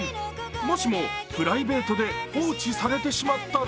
もしもプライベートで放置されてしまったら